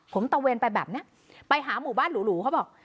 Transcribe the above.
ผมตะเวนไปแบบนี้ไปหาหมู่บ้านหรูเขาบอก